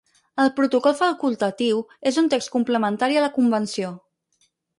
El Protocol Facultatiu és un text complementari a la Convenció.